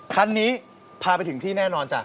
คันนี้พาไปถึงที่แน่นอนจ้ะ